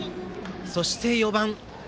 そして４番。